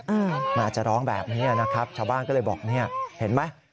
อาจจะร้องแบบนี้นะครับชาวบ้านก็เลยบอกเนี่ยเห็นไหม